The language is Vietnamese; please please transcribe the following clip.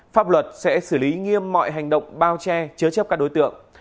pháp luật sẽ xử lý nghiêm mọi hành động bao che chứa chấp các đối tượng